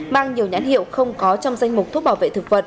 mang nhiều nhãn hiệu không có trong danh mục thuốc bảo vệ thực vật